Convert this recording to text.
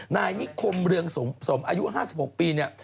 นายนิคมเริงสมสมอายุขึ้น๑๕๖ปีฮะ